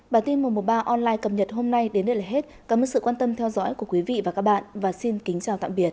bản tin một trăm một mươi ba online cập nhật hôm nay đến đây là hết cảm ơn sự quan tâm theo dõi của quý vị và các bạn và xin kính chào tạm biệt